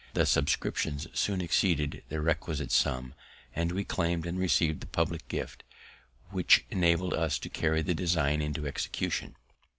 The subscriptions accordingly soon exceeded the requisite sum, and we claim'd and receiv'd the public gift, which enabled us to carry the design into execution.